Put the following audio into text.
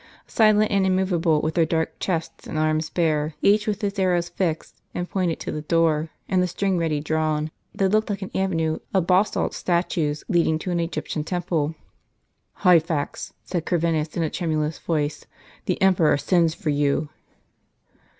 Silent and immovable, with their dark chests and arms bare, each with bis arrow fixed, and pointed to the door, and the string ready drawn, they looked like an avenue of basalt statues, leading to an Egyptian temple. "H3'phax," said Corvinus, in a tremulous voice, "the emperor sends for you."